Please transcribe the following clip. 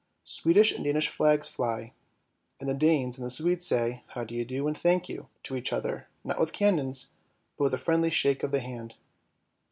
Swedish and Danish flags fly, and the Danes and the Swedes say " how do you do " and " thank you " to each other, not with cannons, but with a friendly shake of the hand.